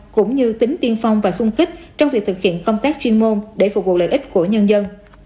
cũng như tính tiên phong và sung kích trong việc thực hiện công tác chuyên môn để phục vụ lợi ích của nhân dân